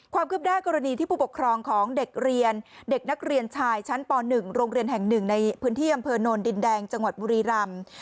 ความคืบหน้ากรณีที่ผู้ปกครองของเด็กเรียนเด็กนักเรียนชายชั้นป๑โรงเรียนแห่งหนึ่งในพื้นที่อำเภอโนนดินแดงจังหวัดบุรีรำ